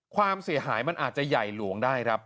ความเสียหายมันอาจจะใหญ่หลวงได้ครับ